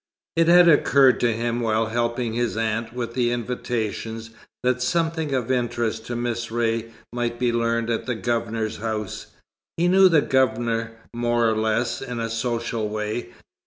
It had occurred to him while helping his aunt with the invitations, that something of interest to Miss Ray might be learned at the Governor's house. He knew the Governor more or less, in a social way.